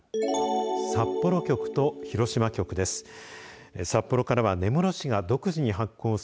札幌局と広島局です。